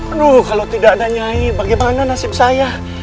aduh kalau tidak ada nyanyi bagaimana nasib saya